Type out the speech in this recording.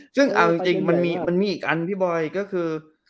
ซึ่งเอาจริงมันมีอีกอันพี่บอยก็คือ